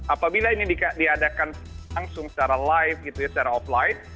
apabila ini diadakan langsung secara live gitu ya secara offline